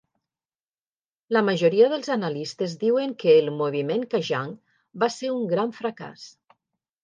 La majoria dels analistes diuen que el Moviment Kajang va ser un gran fracàs.